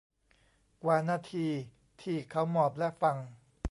กว่านาทีที่เขาหมอบและฟัง